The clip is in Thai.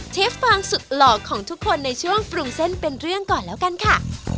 ฟางสุดหล่อของทุกคนในช่วงปรุงเส้นเป็นเรื่องก่อนแล้วกันค่ะ